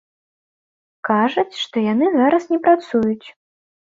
Кажуць, што яны зараз не працуюць.